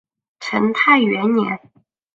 成泰元年。